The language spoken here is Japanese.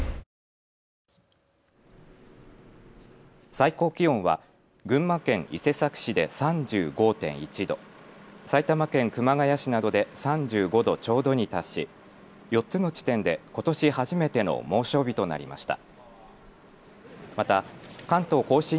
最高気温は群馬県伊勢崎市で３５．１度、埼玉県熊谷市などで３５度ちょうどに達し４つの地点でことし初めての猛暑日となりました。